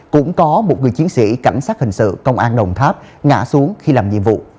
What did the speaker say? cũng có một người chiến sĩ cảnh sát hình sự công an đồng tháp ngã xuống khi làm nhiệm vụ